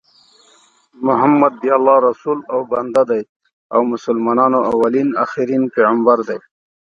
محمد د الله رسول او بنده دي او مسلمانانو اولين اخرين پیغمبر دي